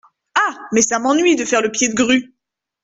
Ah ! mais, ça m'ennuie de faire le pied de grue.